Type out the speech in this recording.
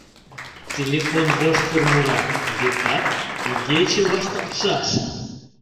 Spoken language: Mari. Телефон воштыр мура, векат, игече вашталтшаш.